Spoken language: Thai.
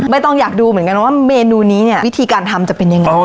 ไม่ต้องอยากดูเหมือนกันว่าเมนูนี้เนี่ยวิธีการทำจะเป็นยังไง